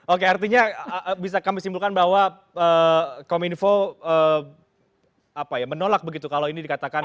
oke artinya bisa kami simpulkan bahwa kominfo menolak begitu kalau ini dikatakan